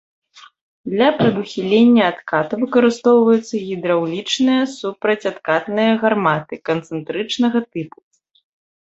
Для прадухілення адкату выкарыстоўваюцца гідраўлічныя супрацьадкатныя гарматы канцэнтрычнага тыпу.